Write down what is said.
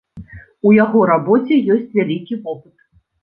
У яго рабоце ёсць вялікі вопыт.